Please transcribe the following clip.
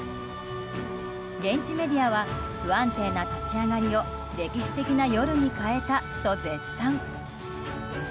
現地メディアは不安定な立ち上がりを歴史的な夜に変えたと絶賛。